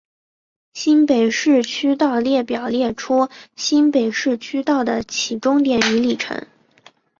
新北市区道列表列出新北市区道的起终点与里程。